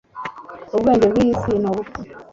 ubwenge bw'iyi si ni ubupfu